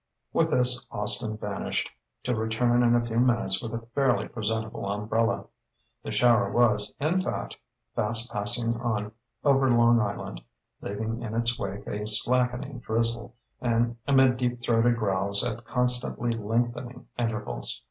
With this Austin vanished, to return in a few minutes with a fairly presentable umbrella. The shower was, in fact, fast passing on over Long Island, leaving in its wake a slackening drizzle amid deep throated growls at constantly lengthening intervals.